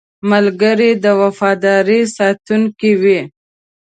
ملګری د وفادارۍ ساتونکی وي